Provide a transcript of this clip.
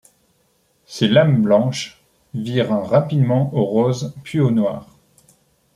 Ses lames blanches virent rapidement au rose puis au noir.